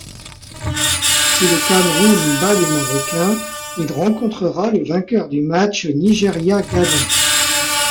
Si le Cameroun bat les marocains, il rencontrera le vainqueur du match Nigeria-Ghana.